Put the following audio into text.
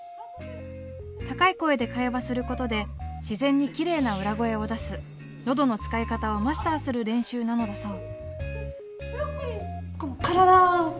⁉高い声で会話することで自然にキレイな裏声を出すのどの使い方をマスターする練習なのだそう。